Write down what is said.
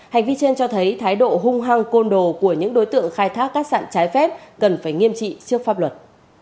hành vi trên cho thấy thái độ hung hăng côn đồ của những đối tượng khai thác cát sạn trái phép cần phải nghiêm trị trước pháp luật